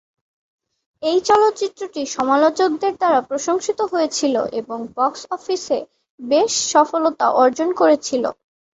এই চলচ্চিত্রটি সমালোচকদের দ্বারা প্রশংসিত হয়েছিল এবং বক্স অফিসে বেশ সফলতা অর্জন করেছিল।